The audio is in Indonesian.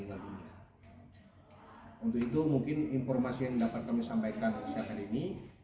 untuk itu mungkin informasi yang dapat kami sampaikan siang hari ini